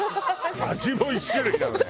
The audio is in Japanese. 味も１種類なのね。